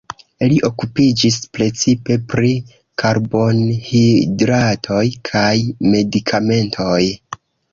Li okupiĝis precipe pri karbonhidratoj kaj medikamentoj.